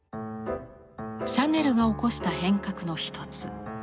シャネルが起こした変革の一つ。